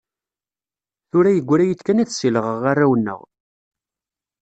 Tura yegra-yi-d kan ad ssilɣeɣ arraw-nneɣ.